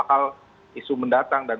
hal isu mendatang dan